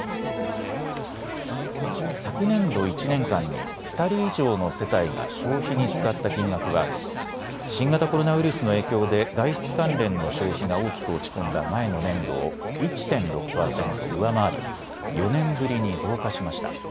昨年度１年間に２人以上の世帯が消費に使った金額は新型コロナウイルスの影響で外出関連の消費が大きく落ち込んだ前の年度を１．６％上回り、４年ぶりに増加しました。